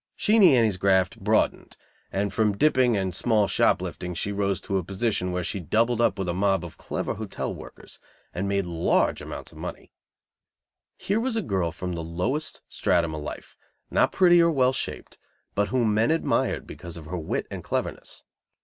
Sheenie Annie's graft broadened, and from dipping and small shop lifting she rose to a position where she doubled up with a mob of clever hotel workers, and made large amounts of money. Here was a girl from the lowest stratum of life, not pretty or well shaped, but whom men admired because of her wit and cleverness.